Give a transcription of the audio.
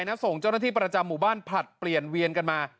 และส่งเจ้าหน้าที่ประจำหมู่บ้านผลัดเปลี่ยนเวียนกันมา